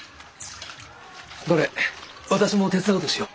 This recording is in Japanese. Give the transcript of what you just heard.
どれ私も手伝うとしよう。